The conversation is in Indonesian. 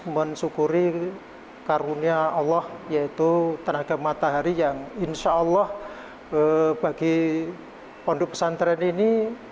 mensyukuri karunia allah yaitu tenaga matahari yang insya allah bagi pondok pesantren ini